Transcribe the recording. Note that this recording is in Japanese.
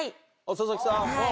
佐々木さん。